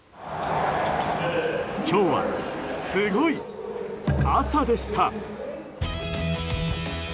今日はすごい朝でした。